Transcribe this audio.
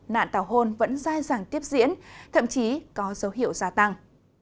nạn tàu hôn vẫn dài dàng tiếp diễn thậm chí có dấu hiệu gia tăng